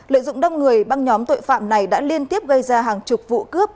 lợi dụng đông người băng nhóm tội phạm này đã liên tiếp gây ra hàng chục vụ cướp